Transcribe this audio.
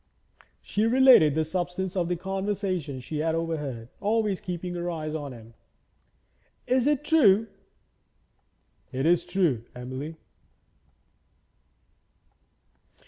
She related the substance of the conversation she had overheard, always keeping her eyes on him. 'Is it true?' 'It is true, Emily.'